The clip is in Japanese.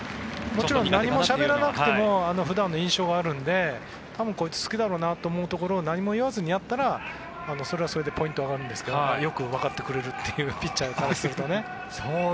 もちろん何もしゃべらなくても普段の印象があるのでこいつ、そこが好きだろうなとか何も言わずにやったらそれはそれでポイントもらえるんですがよくわかってくれてるというピッチャーからすると。